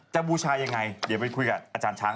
บูชายังไงเดี๋ยวไปคุยกับอาจารย์ช้าง